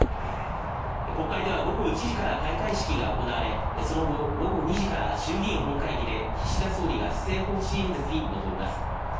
国会では午後１時から開会式が行われその後午後２時から衆議院本会議で岸田総理が施政方針演説に臨みます。